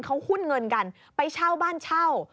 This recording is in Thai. เขาหุ้นเงินกันไปเช่าบ้านเช่า